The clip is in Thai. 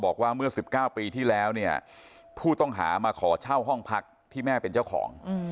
บอกว่าเมื่อ๑๙ปีที่แล้วเนี่ยผู้ต้องหามาขอเช่าห้องพักที่แม่เป็นเจ้าของ